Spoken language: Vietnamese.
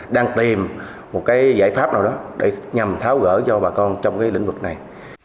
đang tìm một cái giải pháp nào đó để nhằm tháo gỡ cho bà con trong cái lĩnh vực này